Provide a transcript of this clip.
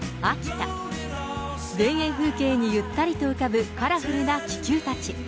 田園風景にゆったりと浮かぶカラフルな気球たち。